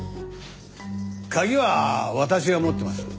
鍵は私が持ってます。